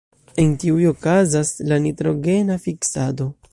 En tiuj okazas la nitrogena fiksado.